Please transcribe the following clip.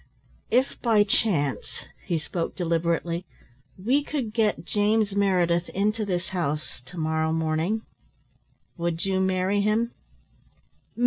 If by chance," he spoke deliberately, "we could get James Meredith into this house to morrow morning, would you marry him?"